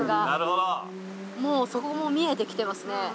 もうそこも見えてきてますね。